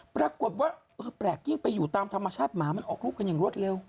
ปรากฏว่าเออแปลกยิ่งไปอยู่ตามธรรมชาติหมามันออกลูกกันอย่างรวดเร็ว